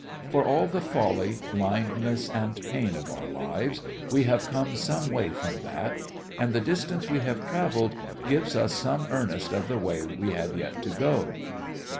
For all the folly, blindness, and pain of our lives, we have come some way from that. And the distance we have travelled gives us some earnest of the way we have yet to go.